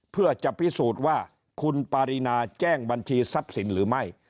เพื่อจะพิสูจน์ว่าคุณปารีนาแจ้งบัญชีทรัพย์สินหรือไม่